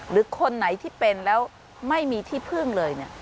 หรือคนไหนที่เป็นแล้วไม่มีที่พึ่งเลยเนี่ย